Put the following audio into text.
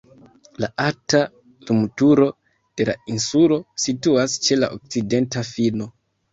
La alta lumturo de la insulo situas ĉe la okcidenta fino.